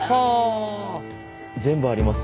全部あります